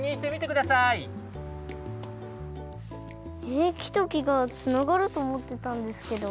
えきときがつながるとおもってたんですけど。